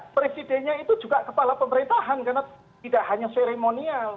presidennya itu juga kepala pemerintahan karena tidak hanya seremonial